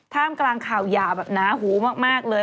ท่ามกลางข่าวหย่าแบบหนาหูมากเลย